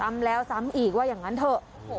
ตั้มแล้วตั้มอีกว่าอย่างงั้นเถอะ